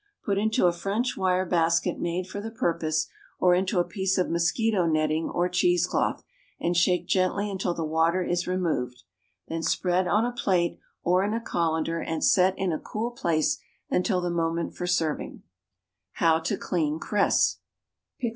Put into a French wire basket made for the purpose, or into a piece of mosquito netting or cheese cloth, and shake gently until the water is removed. Then spread on a plate or in a colander and set in a cool place until the moment for serving. =How to Clean Cress.